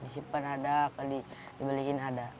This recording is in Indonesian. simpan ada dibeliin ada